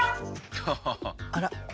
あら。